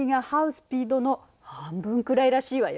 スピードの半分くらいらしいわよ。